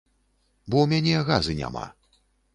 Бо ў мяне газы няма.